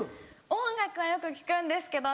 音楽はよく聴くんですけど。